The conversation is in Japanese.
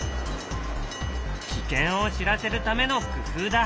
危険を知らせるための工夫だ。